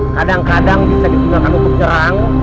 kadang kadang bisa digunakan untuk nyerang